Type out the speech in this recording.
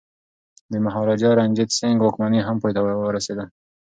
د مهاراجا رنجیت سنګ واکمني هم پای ته ورسیده.